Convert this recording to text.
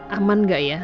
aman gak ya